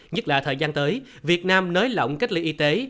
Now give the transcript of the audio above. nhất là thời gian tới việt nam nới lỏng cách ly y tế